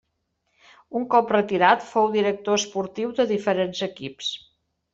Un cop retirat, fou director esportiu de diferents equips.